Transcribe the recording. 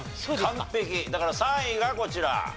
だから３位がこちら。